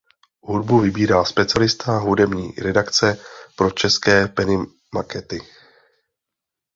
Hudbu vybírá specialista hudební redakce pro české Penny Makety.